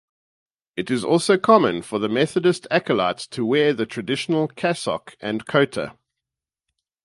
It is also common for Methodist acolytes to wear the traditional cassock and cotta.